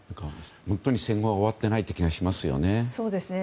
本当に戦後は終わってないっていう気がしますよね。